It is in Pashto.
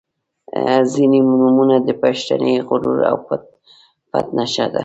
• ځینې نومونه د پښتني غرور او پت نښه ده.